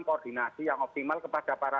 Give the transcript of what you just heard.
koordinasi yang optimal kepada para